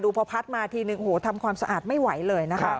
ดูพอพัดมาทีนึงทำความสะอาดไม่ไหวเลย